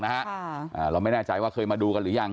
เราไม่แน่ใจว่าเคยมาดูกันหรือยัง